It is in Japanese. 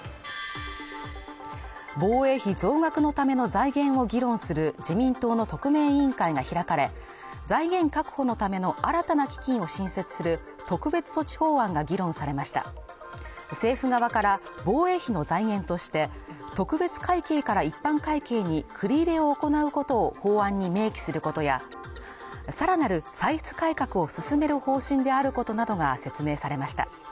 防衛費増額のための財源を議論する自民党の特命委員会が開かれ財源確保のための新たな基金を新設する特別措置法案が議論されました政府側から防衛費の財源として特別会計から一般会計に繰り入れを行うことを法案に明記することやさらなる歳出改革を進める方針であることなどが説明されました